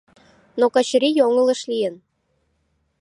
Но Качырий йоҥылыш лийын.